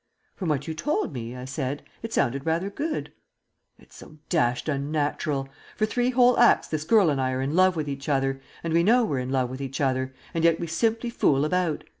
"From what you told me," I said, "it sounded rather good." "It's so dashed unnatural. For three whole acts this girl and I are in love with each other, and we know we're in love with each other, and yet we simply fool about.